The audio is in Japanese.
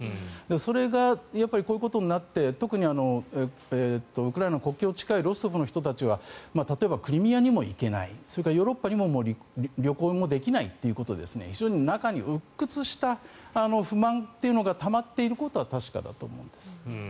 それがこういうことになって特にウクライナとの国境近いロストフの人たちは例えば、クリミアにも行けないそれからヨーロッパにももう旅行もできないということで非常に、中にうっ屈した不満というのがたまっていることは確かだと思うんです。